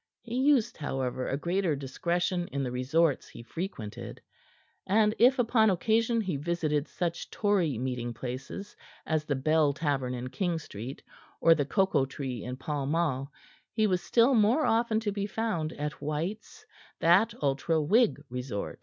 He used, however, a greater discretion in the resorts he frequented. And if upon occasion he visited such Tory meeting places as the Bell Tavern in King Street or the Cocoa Tree in Pall Mall, he was still more often to be found at White's, that ultra Whig resort.